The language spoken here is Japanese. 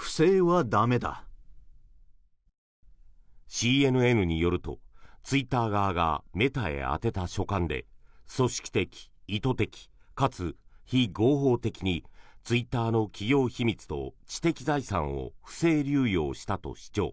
ＣＮＮによるとツイッター側がメタへ宛てた書簡で組織的、意図的、かつ非合法的にツイッターの企業秘密と知的財産を不正流用したと主張。